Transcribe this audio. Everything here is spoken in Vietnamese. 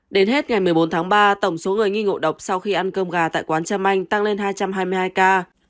đến hết ngày một mươi bốn tháng ba tổng số người nghi ngộ độc sau khi ăn cơm gà tại quán trâm anh tăng lên hai trăm hai mươi hai ca